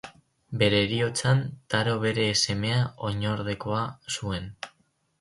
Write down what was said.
Bere heriotzan Taro bere semea oinordekoa zuen.